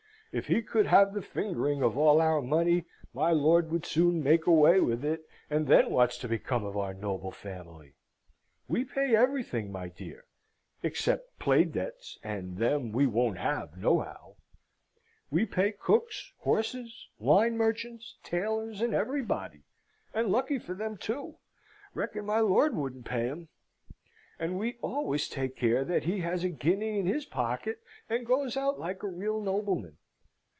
If he could have the fingering of all our money, my lord would soon make away with it, and then what's to become of our noble family? We pay everything, my dear (except play debts, and them we won't have nohow). We pay cooks, horses, wine merchants, tailors, and everybody and lucky for them too reckon my lord wouldn't pay 'em! And we always take care that he has a guinea in his pocket, and goes out like a real nobleman.